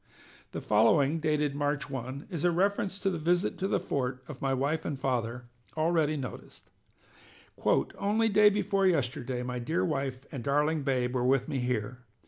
The following, dated March 1, is a reference to the visit to the fort of my wife and father already noticed: "Only day before yesterday my dear wife and darling babe were with me here.